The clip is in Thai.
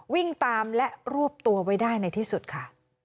วิ่งตามและรวบตัวไว้ได้ในที่สุดค่ะ